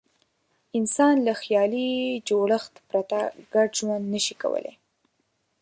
انسان له خیالي جوړښت پرته ګډ ژوند نه شي کولای.